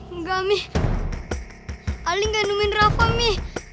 enggak mi ali ngandumin rafa mi